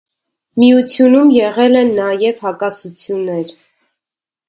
Միությունում եղել են նաև հակասություններ։